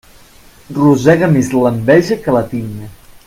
Rosega més l'enveja que la tinya.